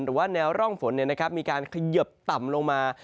หรือว่าแนวร่องฝนมีการเขยิบต่ำลงมา